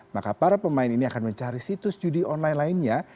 maka para pemain ini akan mencari situs judi online lainnya